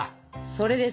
それです。